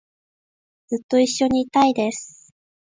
ずっと一緒にいたいです